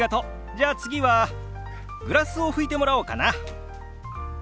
じゃあ次はグラスを拭いてもらおうかな。